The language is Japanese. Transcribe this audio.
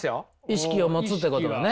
意識を持つってことがね。